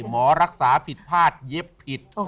หมอรักษาผิดพลาดเย็บผิด